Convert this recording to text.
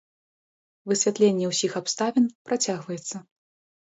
Высвятленне ўсіх абставін працягваецца.